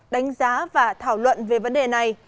đánh giá và thảo luận về vấn đề này